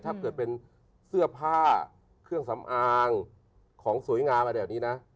ถ้าเกิดเป็นเสื้อผ้าเครื่องสำอางของสวยงามอะไรแบบนี้นะ